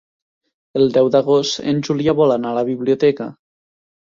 El deu d'agost en Julià vol anar a la biblioteca.